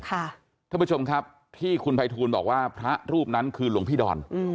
ท่านผู้ชมครับที่คุณภัยทูลบอกว่าพระรูปนั้นคือหลวงพี่ดอน